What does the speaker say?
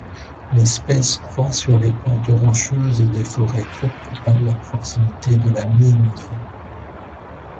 L'espèce croit sur les pentes rocheuses des forêts tropicales à proximité de la mine.